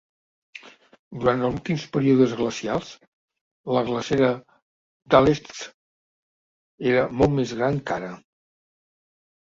Durant els últims períodes glacials, la glacera d'Aletsch era molt més gran que ara.